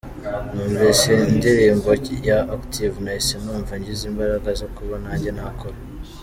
Numvise indirimbo ya Active nahise numva ngize imbaraga zo kuba nanjye nakora.